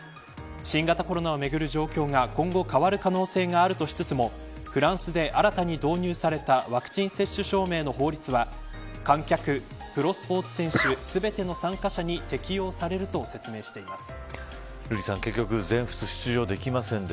新型コロナをめぐる状況が今後変わる可能性があるとしつつもフランスで新たに導入されたワクチン接種証明の法律は観客、プロスポーツ選手全ての参加者に適用されると説明しています。